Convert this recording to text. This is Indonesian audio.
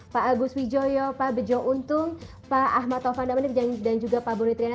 pak agus wijoyo pak bejo untung pak ahmad taufan damanir dan juga pak boni triana